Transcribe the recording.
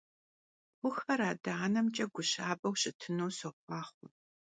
Pxhuxer ade - anemç'e gu şabeu şıtınu soxhuaxhue!